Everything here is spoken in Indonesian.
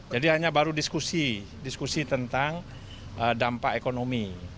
jadi hanya baru diskusi diskusi tentang dampak ekonomi